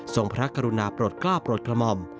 พระกรุณาปลดกล้าปลดกระหม่อม